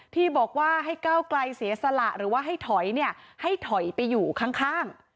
ที่บอกว่าให้ก้าวไกลเสียสละหรือว่าให้ถอยให้ถอยไปอยู่ข้าง